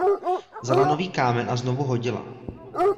Vzala nový kámen a znovu hodila.